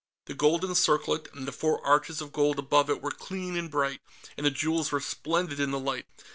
The golden circlet and the four arches of gold above it were clean and bright, and the jewels were splendid in the light.